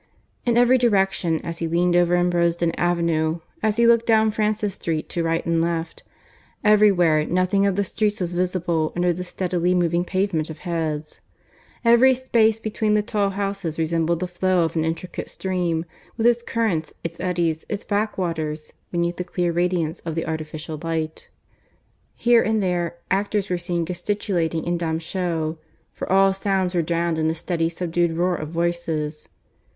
In every direction, as he leaned over Ambrosden Avenue, as he looked down Francis Street to right and left, everywhere nothing of the streets was visible under the steadily moving pavement of heads. Every space between the tall houses resembled the flow of an intricate stream, with its currents, its eddies, its back waters, beneath the clear radiance of the artificial light. Here and there actors were seen gesticulating in dumb show, for all sounds were drowned in the steady subdued roar of voices.